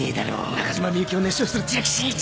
中島みゆきを熱唱する千秋真一！